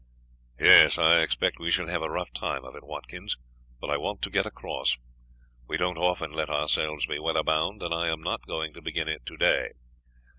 "Yes, I expect we shall have a rough time of it, Watkins, but I want to get across. We don't often let ourselves be weather bound, and I am not going to begin it today.